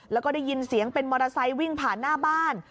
แล้วก็ได้ยินเสียงเป็นมอเตอร์ไซค์วิ่งผ่านหน้าบ้าน